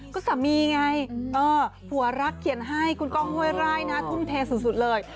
ก็สามีไงผัวรักเขียนให้คุณก้องห้วยไร่นะทุ่มเทสุดเลย